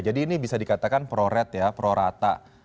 jadi ini bisa dikatakan pro rate ya pro rata